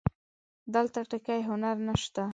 دلته ټکی هنر نه شته